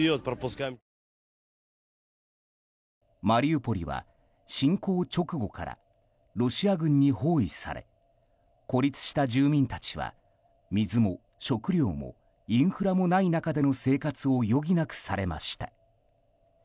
マリウポリは侵攻直後からロシア軍に包囲され孤立した住民たちは水も食料もインフラもない中での生活を余儀なくされました。